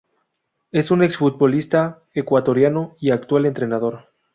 Es un exfutbolista ecuatoriano y actual entrenador.